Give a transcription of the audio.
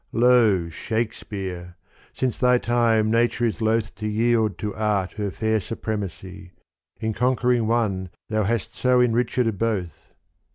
Lo Shakespeare, since thy time nature is loth To yield to art her fair supremacy : In conquering one thou hast so enrichdd both.